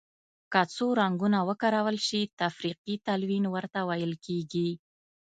که څو رنګونه وکارول شي تفریقي تلوین ورته ویل کیږي.